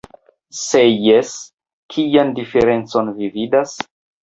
Se jes, kian diferencon vi vidas?